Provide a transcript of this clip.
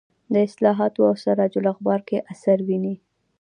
د اصلاحاتو او سراج الاخبار کې اثر ویني.